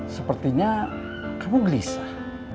sepertinya kamu gelisah